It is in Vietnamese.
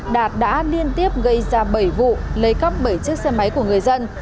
đạt đã liên tiếp gây ra bảy vụ lấy cắp bảy chiếc xe máy của người dân